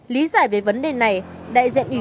lý giải về vấn đề này đại diện ủy